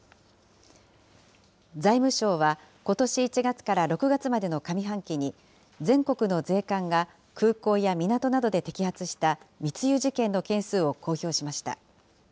財務省は、ことし１月から６月までの上半期に、全国の税関が空港や港などで摘発した密輸事件の件数を公表しました。